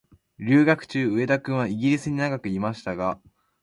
留学中、上田君はイギリスに長くいましたが、